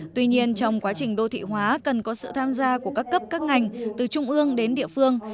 tuy nhiên trong quá trình đô thị hóa cần có sự tham gia của các cấp các ngành từ trung ương đến địa phương